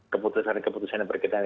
keputusan keputusan yang berkaitan